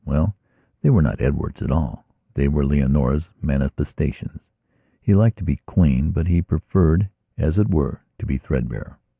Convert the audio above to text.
Well, they were not Edward's at all; they were Leonora's manifestations. He liked to be clean, but he preferred, as it were, to be threadbare.